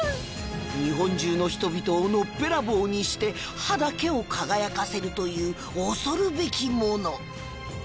日本中の人々をのっぺらぼうにして歯だけを輝かせるという恐るべきもの